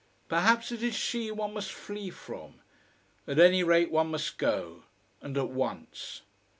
Perhaps it is she one must flee from. At any rate, one must go: and at once.